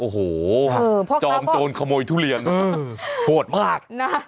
โอ้โหจองโจรขโมยทุเรียนโหดมาก